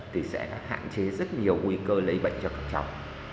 thì sẽ hạn chế rất nhiều nguy cơ lây bệnh cho các cháu